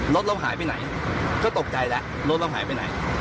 รถเราหายไปไหนก็ตกใจแล้วรถเราหายไปไหน